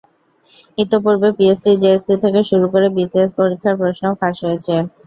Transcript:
ইতিপূর্বে PSC, JSC থেকে শুরু করে বিসিএস পরীক্ষার প্রশ্নও ফাঁস হয়েছে।